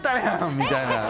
みたいな。